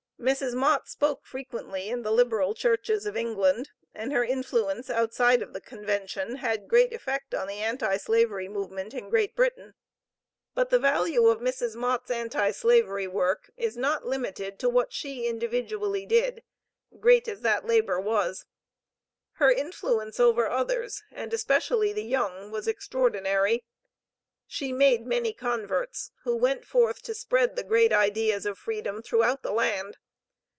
Mrs. Mott spoke frequently in the liberal churches of England, and her influence outside of the Convention had great effect on the Anti Slavery movement in Great Britain. But the value of Mrs. Mott's anti slavery work is not limited to what she individually did, great as that labor was. Her influence over others, and especially the young, was extraordinary. She made many converts, who went forth to spread the great ideas of freedom throughout the land.